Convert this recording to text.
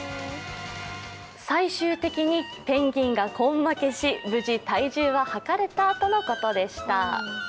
最終的にペンギンが根負けし、無事体重ははかれたとのことでした。